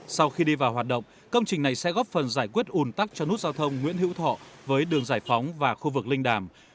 sau khi đi vào hoạt động công trình này sẽ góp phần giải quyết ùn tắc cho nút giao thông nguyễn hữu thọ với đường giải phóng và khu vực linh đàm